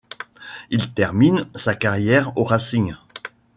Il termine sa carrière au Racing.